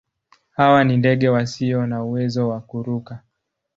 Hawa ni ndege wasio na uwezo wa kuruka.